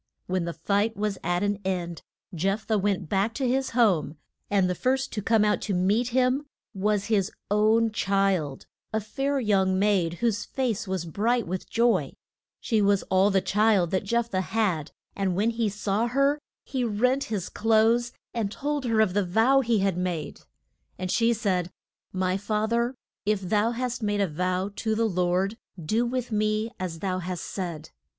[Illustration: JEPH THAH AND HIS DAUGH TER.] When the fight was at an end Jeph thah went back to his home, and the first to come out to meet him was his own child, a fair young maid, whose face was bright with joy. She was all the child that Jeph thah had, and when he saw her he rent his clothes and told her of the vow he had made. And she said, My fath er, if thou hast made a vow to the Lord, do with me as thou hast said.